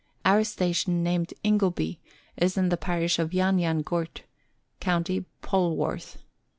Our station, named Ingleby, is in the parish of Yan Yan Gurt, county Polwarth.